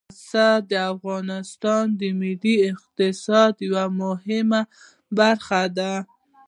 پسه د افغانستان د ملي اقتصاد یوه مهمه برخه ده.